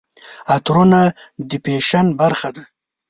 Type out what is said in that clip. عطرونه د فیشن برخه ده.